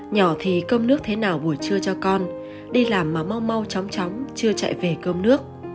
nhỏ thì cơm nước thế nào buổi trưa cho con đi làm mà mau mau chóng tróng chưa chạy về cơm nước